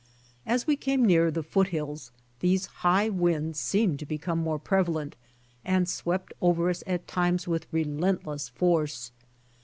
As we came nearer the foothills these high winds seemed to become more prevalent and swept over us at times with relentless force.